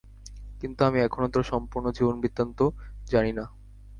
কিন্তু আমি এখনও তোর সম্পূর্ণ জীবন-বৃত্তান্ত জানি না।